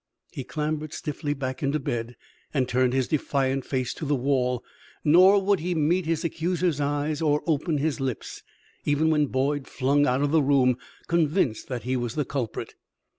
He clambered stiffly back into bed and turned his defiant face to the wall, nor would he meet his accuser's eyes or open his lips, even when Boyd flung out of the room, convinced that he was the culprit.